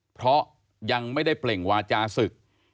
เพราะยังไม่ได้เปล่งวาจาศึก